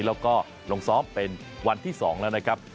แล้วก็ลงซ้อมเป็นวันที่๒แล้วนะครับ